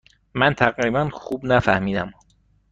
من تقریبا خوب نفهمیدم.